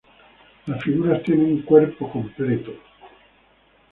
Las figuras tienen cuerpo completo.